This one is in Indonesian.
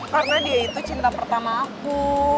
karena dia itu cinta pertama aku